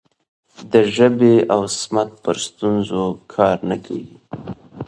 د ژبې او سمت پر ستونزو کار نه کیږي.